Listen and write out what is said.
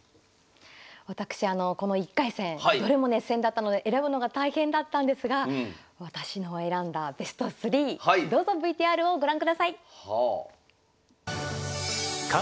私あのこの１回戦どれも熱戦だったので選ぶのが大変だったんですが私の選んだベスト３どうぞＶＴＲをご覧ください。